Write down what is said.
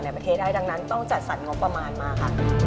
ในประเทศให้ดังนั้นต้องจัดสรรงบประมาณมาค่ะ